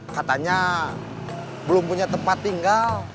katanya belum punya tempat tinggal